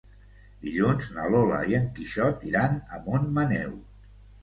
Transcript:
Dilluns na Lola i en Quixot iran a Montmaneu.